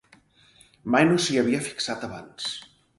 Mai no s'hi havia fixat abans.